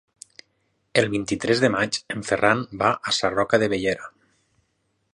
El vint-i-tres de maig en Ferran va a Sarroca de Bellera.